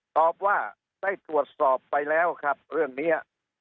ตอบว่าได้ตรวจสอบไปแล้วครับเรื่องนี้